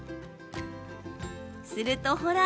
すると、ほら！